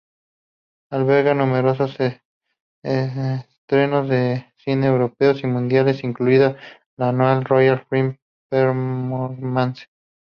Alberga numerosos estrenos de cine europeos y mundiales, incluida la anual "Royal Film Performance".